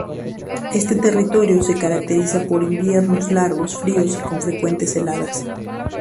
Este territorio se caracteriza por inviernos largos, fríos y con frecuentes heladas.